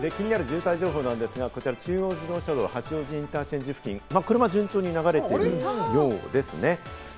気になる渋滞情報なんですが、こちら中央自動車道・八王子インターチェンジ付近、車、流れているようですね。